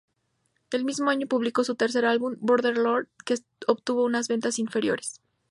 El mismo año publicó su tercer álbum, "Border Lord", que obtuvo unas ventas inferiores.